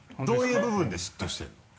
どういう部分で嫉妬してるの？